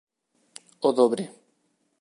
O dobre